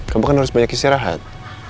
kamu kan harus banyak istirahat